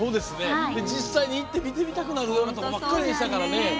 実際に行って見てみたくなるようなものばかりでしたからね。